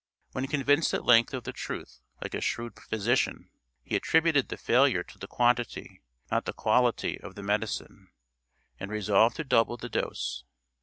When convinced at length of the truth, like a shrewd physician, he attributed the failure to the quantity, not the quality of the medicine, and resolved to double the dose.